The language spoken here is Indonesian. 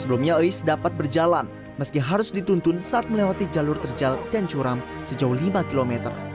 sebelumnya ois dapat berjalan meski harus dituntun saat melewati jalur terjal dan curam sejauh lima km